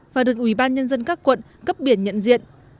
và được ủy ban nhân dân các quận cấp biển nhận diện